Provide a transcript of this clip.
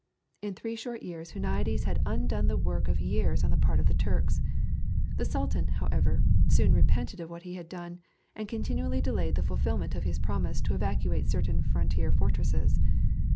In three short years Huniades had undone the work of years on the part of the Turks. The Sultan, however, soon repented of what he had done, and continually delayed the fulfilment of his promise to evacuate certain frontier fortresses.